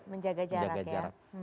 menjaga jarak ya